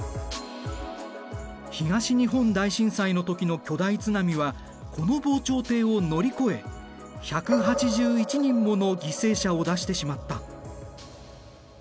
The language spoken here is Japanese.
東日本大震災の時の巨大津波はこの防潮堤を乗り越え１８１人もの犠牲者を出してしまった。